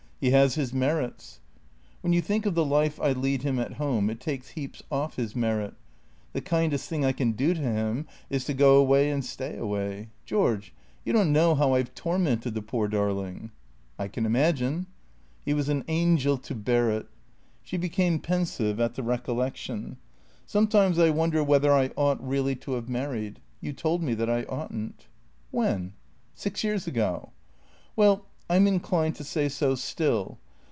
He has his merits." " When you think of the life I lead him at home it takes heaps off his merit. The kindest thing I can do to him is to go away and stay away. George, you don't know how I 've tor mented the poor darling." " I can imagine." "He was an angel to bear it." She became pensive at the recollection. " Sometimes I wonder whether I ought, really, to have mar ried. You told me that I oughtn't." "When?" " Six years ago." " Well — I 'm inclined to say so still.